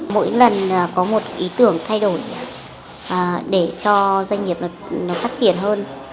mỗi lần có một ý tưởng thay đổi để cho doanh nghiệp nó phát triển hơn